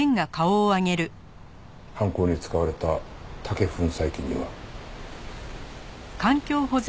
犯行に使われた竹粉砕機には。